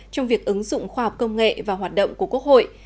trong việc ứng dụng khoa học công nghệ và hoạt động của quốc hội